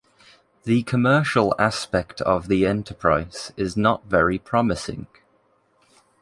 The commercial aspect of the enterprise is not very promising.